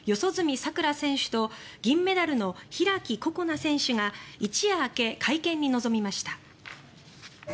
さくら選手と銀メダルの開心那選手が一夜明け、会見に臨みました。